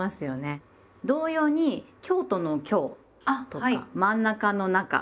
同様に京都の「京」とか真ん中の「中」